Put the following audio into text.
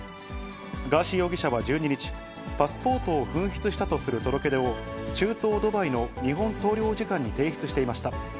ガーシー容疑者は１２日、パスポートを紛失したとする届け出を中東ドバイの日本総領事館に提出していました。